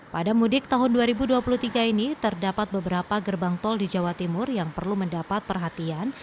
pada mudik tahun dua ribu dua puluh tiga ini terdapat beberapa gerbang tol di jawa timur yang perlu mendapat perhatian